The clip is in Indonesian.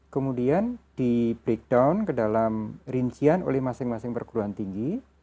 kemudian di breakdown ke dalam rincian oleh masing masing perguruan tinggi